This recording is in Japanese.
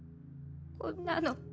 こんなの。